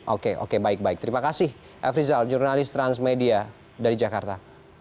oke oke baik baik terima kasih f rizal jurnalis transmedia dari jakarta